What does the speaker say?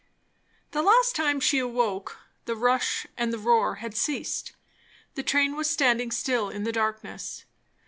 The last time she awoke, the rush and the roar had ceased; the train was standing still in the darkness.